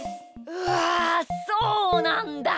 うわそうなんだ！